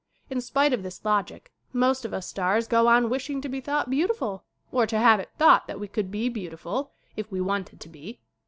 In spite of this logic most of us stars go on wishing to be thought beautiful, or to have it thought that we could be beautiful if we wanted to be.